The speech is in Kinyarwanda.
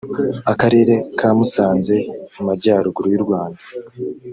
Akarere ka Musanze mu Majyaruguru y’u Rwanda